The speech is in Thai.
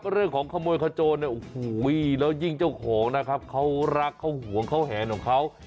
เรื่องของขโมยขโจนแล้วยิ่งเจ้าของนะครับเขารักเขาหวังเขาแหน่งของเขา